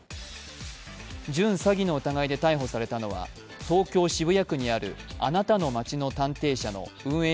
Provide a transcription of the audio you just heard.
準詐欺の疑いで逮捕されたのは東京・渋谷区にあるあなたの街の探偵社の運営